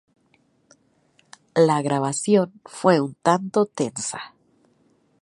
La grabación fue un tanto tensa.